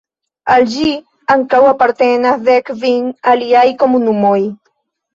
Al ĝi ankaŭ apartenas dek-kvin aliaj komunumoj.